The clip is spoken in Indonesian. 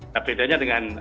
nah bedanya dengan